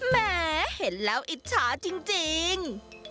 แหมเห็นแล้วอิจฉาจริง